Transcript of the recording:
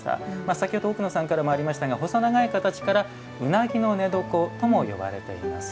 先ほど奥野さんからもありましたが細い形からうなぎの寝床とも呼ばれています。